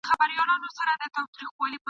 توپان راغی او د ټولو مړه سول غړي !.